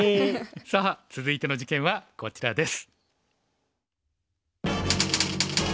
さあ続いて事件はこちらです。